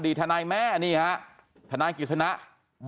อดีตทนายแม่นี่ฮะธนาคิดสนับ